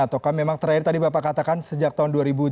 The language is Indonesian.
atau memang terakhir tadi bapak katakan sejak tahun dua ribu delapan